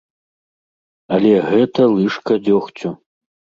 Але гэта лыжка дзёгцю.